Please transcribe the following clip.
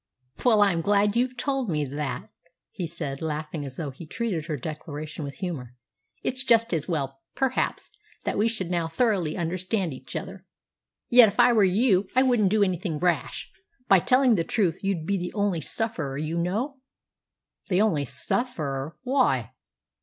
"Well, I'm glad you've told me that," he said, laughing as though he treated her declaration with humour. "It's just as well, perhaps, that we should now thoroughly understand each other. Yet if I were you I wouldn't do anything rash. By telling the truth you'd be the only sufferer, you know." "The only sufferer! Why?"